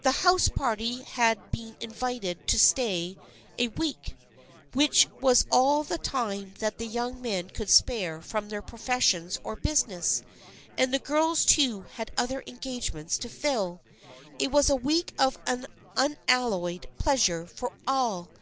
THE FRIENDSHIP OF ANNE 331 The house party had been invited to stay a week, which was all the time that the young men could spare from their professions or business, and the girls too had other engagements to fill. It was a week of unalloyed pleasure for all.